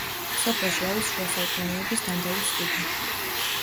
სოფელში არის შუა საუკუნეების დანდალოს ხიდი.